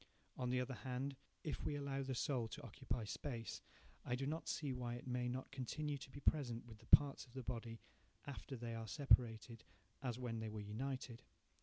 On the other hand, if we allow the soul to occupy space, I do not see why it may not continue to be present with the parts of the body after they are separated, as when they were united.